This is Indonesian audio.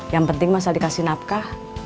yang penting masa dikasih napkah